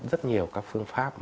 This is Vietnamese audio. rất nhiều các phương pháp